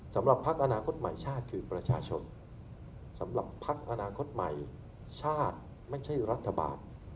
สำหรับพักอนาคตใหม่ชาติคือประชาชนสำหรับภักดิ์อนาคตใหม่ชาติไม่ใช่รัฐบาล